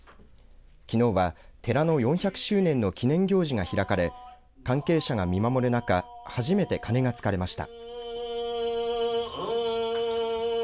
きのうは寺の４００周年の記念行事が開かれ関係者が見守る中初めて鐘がつかれました。